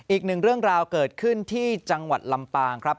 อีกหนึ่งเรื่องราวเกิดขึ้นที่จังหวัดลำปางครับ